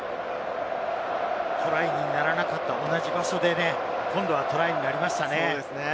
トライにならなかった同じ場所で今度はトライになりましたね。